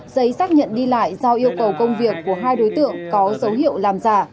giấy xác nhận đi lại do yêu cầu công việc của hai đối tượng có dấu hiệu làm giả